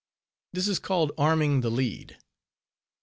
This is called "arming" the lead.